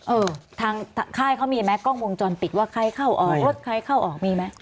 เออทางค่ายเขามีไหมกล้องวงจรปิดว่าใครเข้าออกรถใครเข้าออกมีไหม